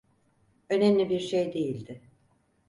Önemli bir şey değildi.